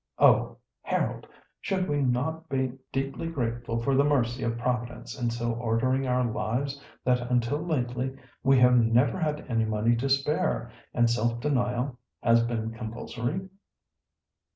Oh! Harold, should we not be deeply grateful for the mercy of Providence in so ordering our lives that until lately we have never had any money to spare, and self denial has been compulsory?"